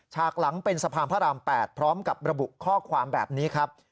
หลังเป็นสะพานพระราม๘พร้อมกับระบุข้อความแบบนี้ครับ